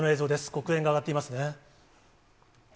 黒煙が上がっていますね。